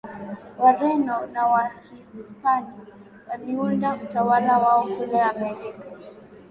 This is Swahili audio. Wareno na Wahispania waliunda utawala wao kule Amerika